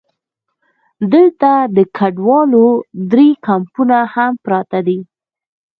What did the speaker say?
دلته د کډوالو درې کمپونه هم پراته دي.